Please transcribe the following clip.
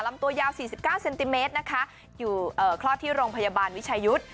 ลำตัวยาว๔๙เซนติเมตรนะคะอยู่คลอดที่โรงพยาบาลวิชายุทธ์